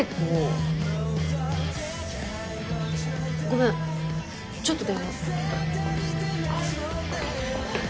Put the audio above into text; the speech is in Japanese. ごめんちょっと電話。